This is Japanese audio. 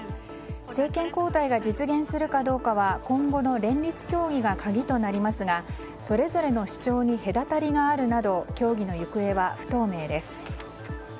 政権交代が実現するかどうかは今後の連立協議が鍵となりますがそれぞれの主張に隔たりがあるなど協議の行方は不透明です。